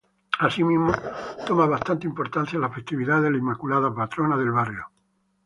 Así mismo, toma bastante importancia la festividad de la Inmaculada Concepción, patrona del barrio.